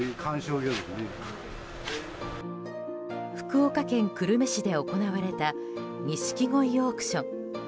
福岡県久留米市で行われたニシキゴイオークション。